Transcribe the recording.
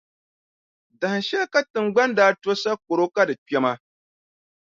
Dahinshɛli ka Tiŋgbani daa to sakɔro ka di kpɛmi.